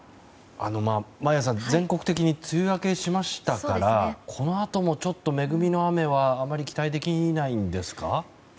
眞家さん、全国的に梅雨明けしましたからこのあともちょっと恵みの雨はあまり期待できないんですか？